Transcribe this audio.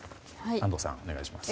安藤さん、お願いします。